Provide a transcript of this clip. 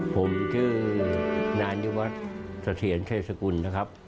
ผมชื่อนานิวัฒน์สเตี๋ยนเชษฐกุลนะครับ